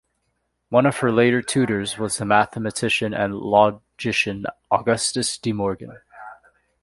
One of her later tutors was the mathematician and logician Augustus De Morgan.